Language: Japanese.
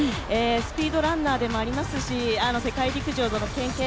スピードランナーでもありますし、世界陸上の経験